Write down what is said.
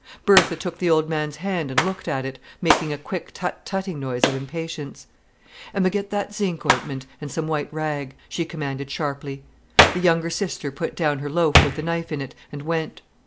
Bertha took the old man's hand and looked at it, making a quick tut tutting noise of impatience. "Emma, get that zinc ointment—and some white rag," she commanded sharply. The younger sister put down her loaf with the knife in it, and went.